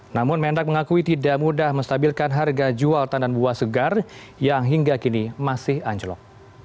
namun mendak mengakui tidak mudah menstabilkan harga jual tandan buah segar yang hingga kini masih anjlok